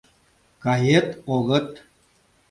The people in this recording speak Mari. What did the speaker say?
Кает, огыт?